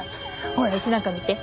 ほらうちなんか見て。